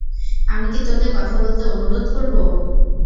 আমি কী তোকে কথা বলতে অনুরোধ করব?